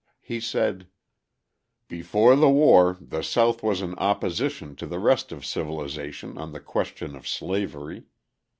He said: "Before the war the South was in opposition to the rest of civilisation on the question of slavery.